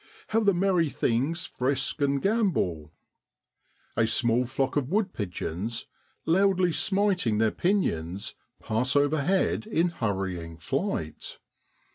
How the merry things frisk and gambol! A small flock of wood pigeons, loudly smiting their pinions, pass overhead in hurrying flight.